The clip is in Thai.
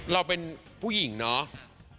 เราเป็นผู้หญิงเนาะ